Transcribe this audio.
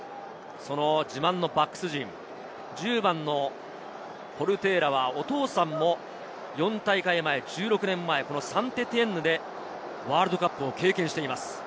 自慢のバックス陣、ポルテーラはお父さんも４大会前１６年前、サンテティエンヌでワールドカップを経験しています。